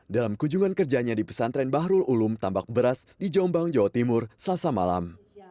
dalam kunjungan kerjanya di pesantren bahrul ulum tambak beras di jombang jawa timur selasa malam